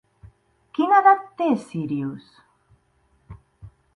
Quina edat té Sírius?